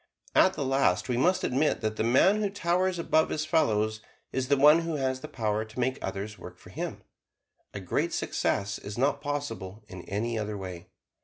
At the last we must admit that the man who towers above his fellows is the one who has the power to make others work for him; a great success is not possible in any other way.